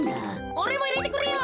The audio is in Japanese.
おれもいれてくれよ。